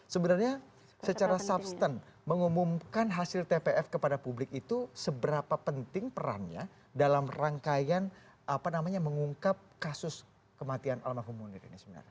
sebenarnya secara substan mengumumkan hasil tpf kepada publik itu seberapa penting perannya dalam rangkaian apa namanya mengungkap kasus kematian almarhum munir ini sebenarnya